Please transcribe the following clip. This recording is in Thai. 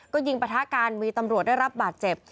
ก็ยิงประทะกันมีตำรวจได้รับบาดเจ็บ